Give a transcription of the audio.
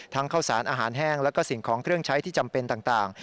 ข้าวสารอาหารแห้งแล้วก็สิ่งของเครื่องใช้ที่จำเป็นต่าง